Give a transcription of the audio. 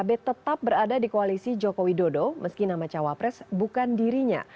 pkb tetap berada di koalisi jokowi dodo meski nama cawapres bukan dirinya